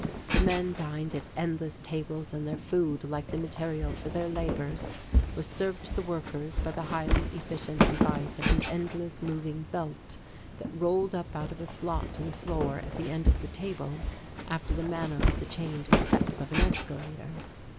The men dined at endless tables and their food like the material for their labours, was served to the workers by the highly efficient device of an endless moving belt that rolled up out of a slot in the floor at the end of the table after the manner of the chained steps of an escalator.